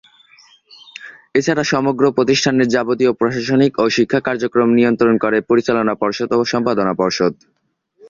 এছাড়া সমগ্র প্রতিষ্ঠানের যাবতীয় প্রশাসনিক ও শিক্ষা কার্যক্রম নিয়ন্ত্রণ করে পরিচালনা পর্ষদ ও সম্পাদনা পর্ষদ।